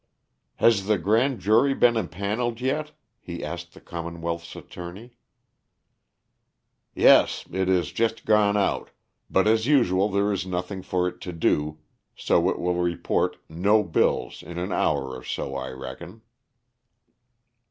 "Has the grand jury been impaneled yet?" he asked the commonwealth's attorney. "Yes; it has just gone out, but as usual there is nothing for it to do, so it will report 'no bills' in an hour or so, I reckon."